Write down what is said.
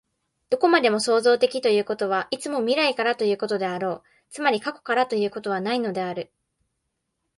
どこまでも創造的ということは、いつも未来からということであろう、つまり過去からということはないのである。